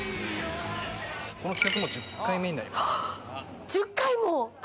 この企画、もう１０回目になります。